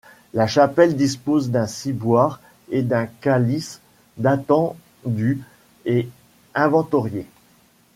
La chapelle dispose d'un ciboire et d'un calice datant du et inventoriés.